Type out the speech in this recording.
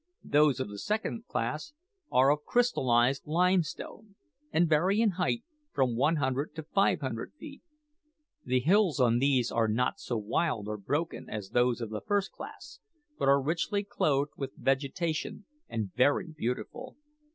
Those of the second class are of crystallised limestone, and vary in height from one hundred to five hundred feet. The hills on these are not so wild or broken as those of the first class, but are richly clothed with vegetation, and very beautiful.